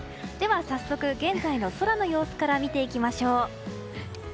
早速現在の空の様子から見ていきましょう。